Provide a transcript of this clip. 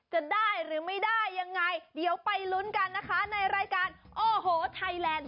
จะได้หรือไม่ได้ยังไงเดี๋ยวไปลุ้นกันนะคะในรายการโอ้โหไทยแลนด์